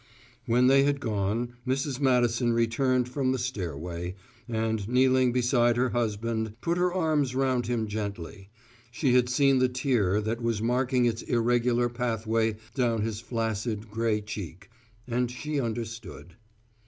When they had gone, Mrs. Madison returned from the stairway, and, kneeling beside her husband, put her arms round him gently: she had seen the tear that was marking its irregular pathway down his flaccid, gray cheek, and she understood.